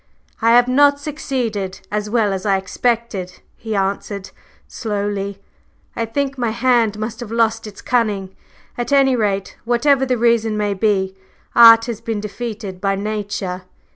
"I have not succeeded as well as I expected," he answered slowly. "I think my hand must have lost its cunning. At any rate, whatever the reason may be, Art has been defeated by Nature."